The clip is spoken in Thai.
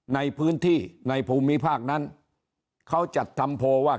ในพื้นที่ในภูมิภาคนั้นเขาจัดทำโพลว่า